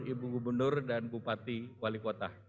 ibu gubernur dan bupati wali kota